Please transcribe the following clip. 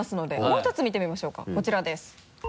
もう１つ見てみましょうかこちらです。